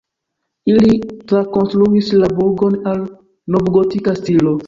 Ili trakonstruis la burgon al novgotika stilo.